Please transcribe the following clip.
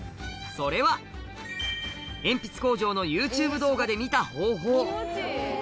それは、鉛筆工場のユーチューブ動画で見た方法。